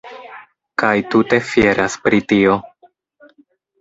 Kaj tute fieras pri tio!